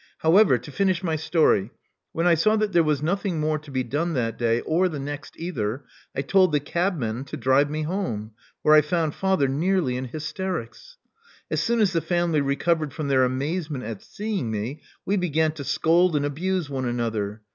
However, to finish my story, when I saw that there was nothing more to be done that day, or the next either, I told the cabman to drive me home, where I found father nearly in hysterics. As soon as the family recovered from their amazement at seeing me, we began to scold and abuse one another.